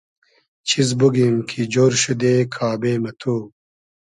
چیز بوگیم کی جۉر شودې کابې مہ تو